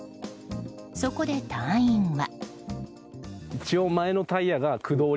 そこで隊員は。